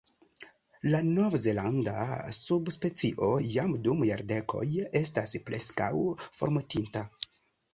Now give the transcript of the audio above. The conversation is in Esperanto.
La Nov-Zelanda subspecio jam dum jardekoj estas preskaŭ formortinta.